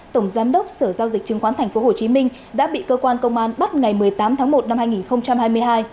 tổng giám đốc sở giao dịch chứng khoán tp hcm đã bị cơ quan công an bắt ngày một mươi tám tháng một năm hai nghìn hai mươi hai